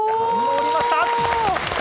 のりました！